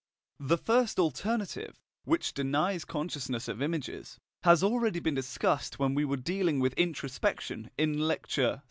The first alternative, which denies consciousness of images, has already been discussed when we were dealing with Introspection in Lecture VI.